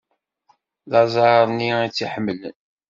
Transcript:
D aẓar-nni i tt-iḥemmlen.